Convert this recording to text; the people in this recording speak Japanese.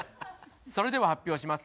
それでは発表します。